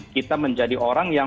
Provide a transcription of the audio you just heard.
kita menjadi orang yang